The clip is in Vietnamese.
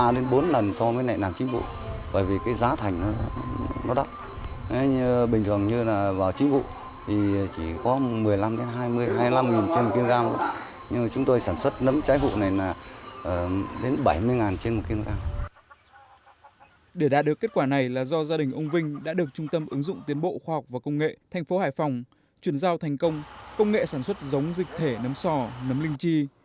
để đạt được kết quả này là do gia đình ông vinh đã được trung tâm ứng dụng tiến bộ khoa học và công nghệ thành phố hải phòng chuyển giao thành công công nghệ sản xuất giống dịch thể nấm sò nấm linh chi